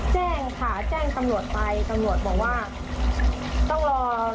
แจ้งค่ะแจ้งตำรวจไปตำรวจบอกว่าต้องรอ